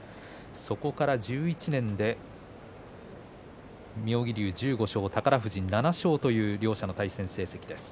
そこから１１年で妙義龍は１５勝、宝富士７勝という対戦成績です。